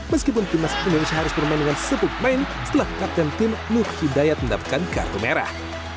meskipun timnas indonesia harus bermain dengan sepuluh pemain setelah kapten tim nuq hidayat mendapatkan kartu merah